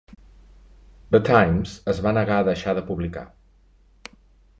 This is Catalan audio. The Times es va negar a deixar de publicar.